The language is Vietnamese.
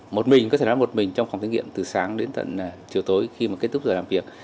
một mình có thể nói một mình trong phòng thí nghiệm từ sáng đến tận chiều tối khi mà kết thúc giờ làm việc